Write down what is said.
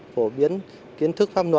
phổ biến kiến thức